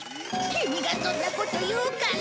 キミがそんなこと言うから。